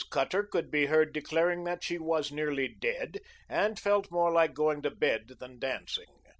Cutter could be heard declaring that she was nearly dead and felt more like going to bed than dancing.